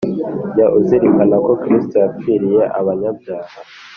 jya uzirikana ko Kristo yapfiriye abanyabyaha